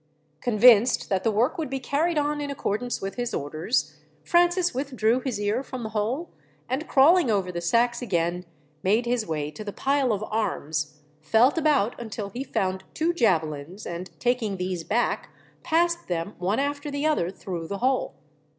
Convinced that the work would be carried on in accordance with his orders, Francis withdrew his ear from the hole, and, crawling over the sacks again, made his way to the pile of arms, felt about until he found two javelins, and taking these back, passed them one after the other through the hole.